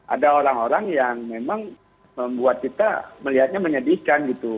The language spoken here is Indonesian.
ada orang orang yang memang membuat kita melihatnya menyedihkan gitu